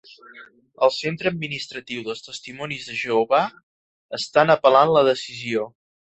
El centre administratiu dels testimonis de Jehovà estan apel·lant la decisió.